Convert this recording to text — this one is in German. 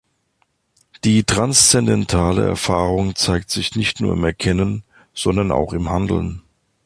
Die transzendentale Erfahrung zeigt sich nicht nur im Erkennen, sondern auch im Handeln.